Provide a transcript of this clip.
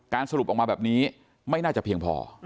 สรุปออกมาแบบนี้ไม่น่าจะเพียงพอ